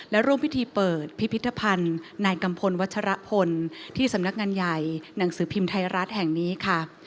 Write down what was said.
และร่วมพิธีเปิดพิพิธภัณฑ์นายกัมพลวัชรพลที่สำนักงานใหญ่หนังสือพิมพ์ไทยรัฐแห่งนี้ค่ะ